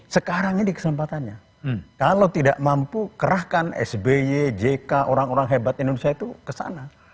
sekarang ini kesempatannya kalau tidak mampu kerahkan sby jk orang orang hebat indonesia itu kesana